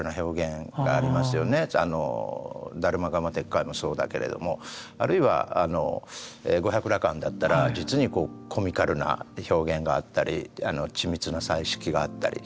「達磨・蝦蟇鉄拐」もそうだけれどもあるいは「五百羅漢」だったら実にコミカルな表現があったり緻密な彩色があったり。